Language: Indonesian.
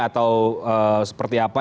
atau seperti apa